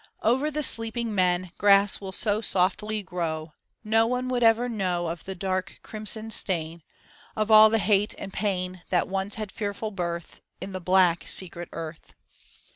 Over the sleeping men Grass will so softly grow No one would ever know Of the dark crimson stain. Of all the hate and pain That once had fearful birth In the black secret earth.